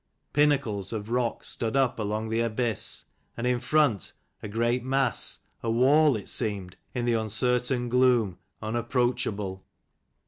Pinnacles of rock stood up along the abyss, and in front a great mass, a wall it seemed in the uncertain gloom, unapproachable.